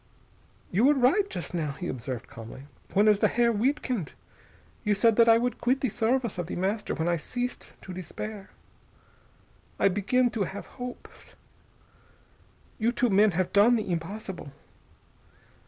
"You were right, just now," he observed calmly, "when as the Herr Wiedkind you said that I would quit the service of The Master when I ceased to despair. I begin to have hopes. You two men have done the impossible.